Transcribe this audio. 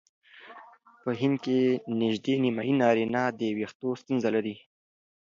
په هند کې نژدې نیمایي نارینه د وېښتو ستونزه لري.